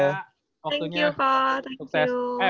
thank you pak thank you